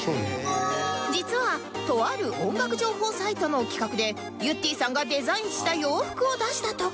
実はとある音楽情報サイトの企画でゆってぃさんがデザインした洋服を出したところ